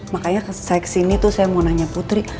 makanya saya kesini tuh saya mau nanya putri